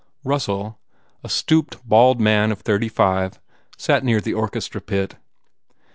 Russell, a stooped, bald man of thirty five, sat near the orchestra pit.